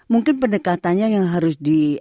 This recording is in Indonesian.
mungkin pendekatannya yang harus